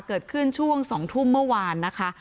เกิดขึ้นช่วง๒ทุ่มเมื่อวานนะคะ